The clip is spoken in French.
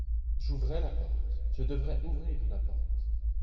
J'ouvrrai la porte. Je devrais ouvrir la porte.